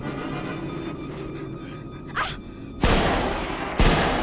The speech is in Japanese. あっ！